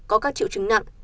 có các triệu chứng nặng